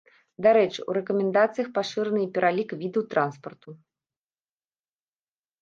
Дарэчы, у рэкамендацыях пашыраны і пералік відаў транспарту.